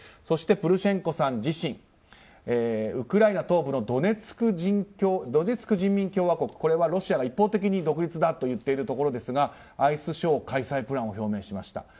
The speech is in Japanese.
そしてプルシェンコさん自身ウクライナ東部のドネツク人民共和国ロシアが一方的に独立だと言っているところですがアイスショー開催プランを表明しました。